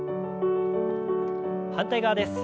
反対側です。